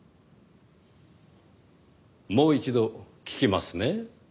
もう一度聞きますね。